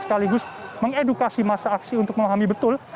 sekaligus mengedukasi masa aksi untuk memahami betul